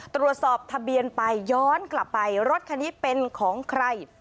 ตรวจสอบทะเบียนไปย้อนกลับไปรถคันนี้เป็นของใคร